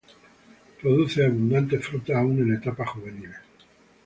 Produce abundante fruta aún en etapas juveniles.